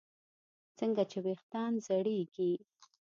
څنګه چې ویښتان زړېږي